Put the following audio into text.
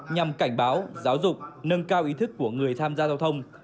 nhằm cảnh báo giáo dục nâng cao ý thức của người tham gia giao thông